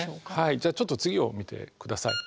じゃあちょっと次を見てください。